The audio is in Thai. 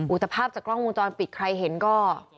ตภาพจากกล้องวงจรปิดใครเห็นก็